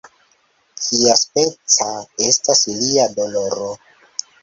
Kiaspeca estas lia doloro?